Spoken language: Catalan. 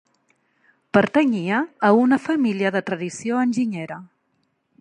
Pertanyia a una família de tradició enginyera.